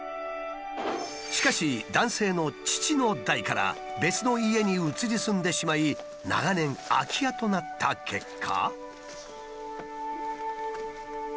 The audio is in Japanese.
しかし男性の父の代から別の家に移り住んでしまい長年空き家となった結果。